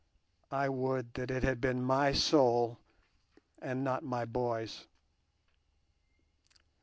I would that it had been my soul and not my boy's!